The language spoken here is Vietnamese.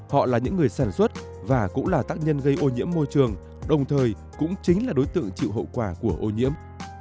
họ là những người sản xuất và cũng là tác nhân gây ô nhiễm môi trường đồng thời cũng chính là đối tượng chịu hậu quả của ô nhiễm